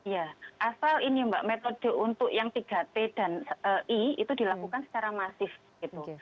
ya asal ini mbak metode untuk yang tiga t dan i itu dilakukan secara masif gitu